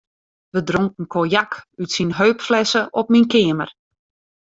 We dronken konjak út syn heupflesse op myn keamer.